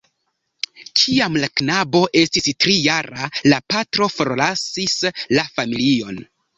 Kiam la knabo estis tri-jara, la patro forlasis la familion.